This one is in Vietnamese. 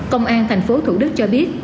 công an thành phố thủ đức cho biết